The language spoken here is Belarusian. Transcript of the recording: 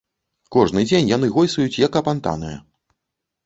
Кожны дзень яны гойсаюць як апантаныя.